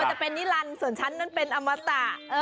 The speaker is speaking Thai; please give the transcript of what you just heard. ใจเป็นนิรันเลยและฉันเป็นอมตะ